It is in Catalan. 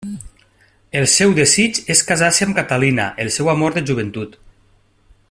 El seu desig és casar-se amb Catalina, el seu amor de joventut.